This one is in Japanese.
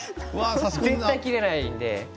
絶対切られないので。